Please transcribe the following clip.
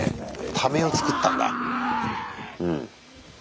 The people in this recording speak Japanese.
ためをつくったんだ。